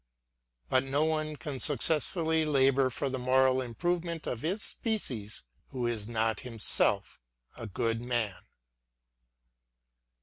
Hut no one can successfully labour for the moral improvement of his species who is not himself a good man.